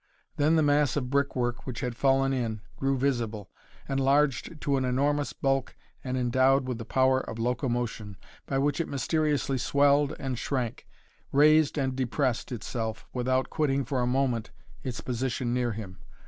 Then the mass of brickwork which had fallen in, grew visible, enlarged to an enormous bulk and endowed with the power of locomotion, by which it mysteriously swelled and shrank, raised and depressed itself, without quitting for a moment its position near him.